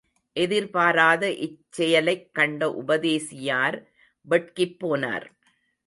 எதிர்பாராத இச்செயலைக் கண்ட உபதேசியார் வெட்கிப் போனார்.